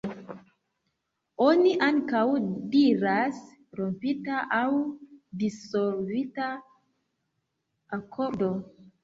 Oni ankaŭ diras "rompita", aŭ "dissolvita" akordo.